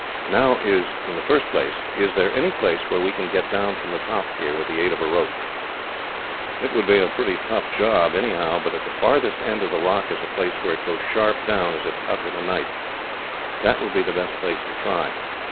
"Now, in the first place, is there any place where we can get down from the top here, with the aid of a rope?" "It would be a pretty tough job, anyhow, but at the farthest end of the rock is a place where it goes sharp down, as if cut with a knife. That would be the best place to try.